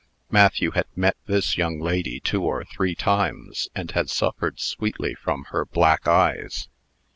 Matthew had met this young lady two or three times, and had suffered sweetly from her black eyes.